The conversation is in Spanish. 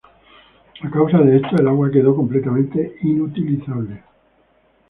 A causa de esto el agua quedó completamente inutilizable.